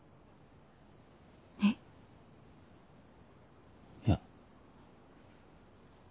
えっ？いや。